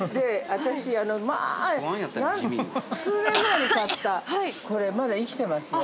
◆私、数年前に買った、これまだ生きてますよ。